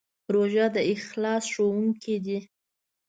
روژه د اخلاص ښوونکی دی.